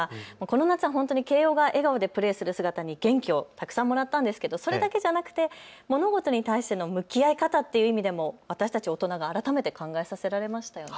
この夏、本当に慶応が笑顔でプレーする姿に元気をたくさんもらったんですけど、それだけじゃなくて物事に対しての向き合い方っていう意味では私たち大人が改めて考えさせられましたね。